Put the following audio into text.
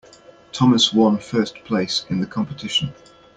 Thomas one first place in the competition.